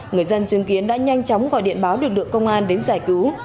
người dân chứng kiến đã nhanh chóng gọi điện báo lực lượng công an đến giải cứu